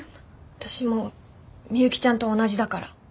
私も美幸ちゃんと同じだから。